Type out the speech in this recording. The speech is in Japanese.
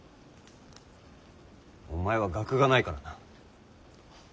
お前は学がないからな。